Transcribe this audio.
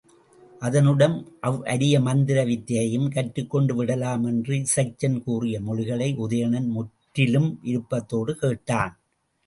அதனுடன் அவ்வரிய மந்திர வித்தையையும் கற்றுக்கொண்டு விடலாம் என்று இசைச்சன் கூறிய மொழிகளை உதயணன் முற்றிலும் விருப்பத்தோடு கேட்டான்.